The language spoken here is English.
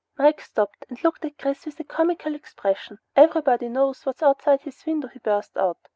'" Mike stopped and looked at Chris with a comical expression. "Everybody knows what's outside his window!" he burst out.